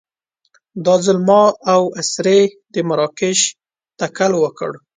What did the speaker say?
دا ځل ما او اسرې د مراکش تکل وکړ.